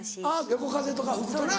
横風とか吹くとな。